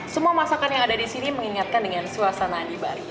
semua masakan yang ada di sini mengingatkan dengan suasana di bali